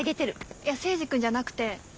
いや征二君じゃなくて。